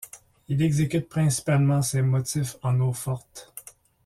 Il exécute principalement ses motifs en eau-forte.